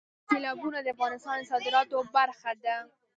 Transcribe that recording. سیلابونه د افغانستان د صادراتو برخه ده.